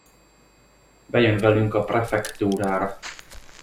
Bejön velünk a prefektúrára!